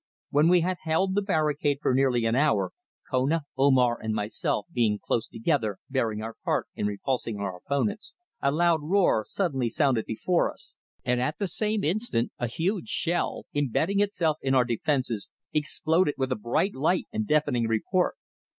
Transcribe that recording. When we had held the barricade for nearly an hour, Kona, Omar and myself being close together bearing our part in repulsing our opponents, a loud roar suddenly sounded before us and at the same instant a huge shell, imbedding itself in our defences, exploded with a bright light and deafening report.